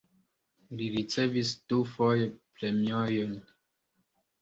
Li ricevis dufoje premiojn.